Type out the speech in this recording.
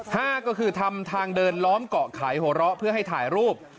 ห้าก็คือทำทางเดินล้อมเกาะไขหัวเราะเพื่อให้ถ่ายรูป